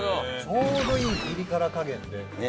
ちょうどいいピリ辛加減で。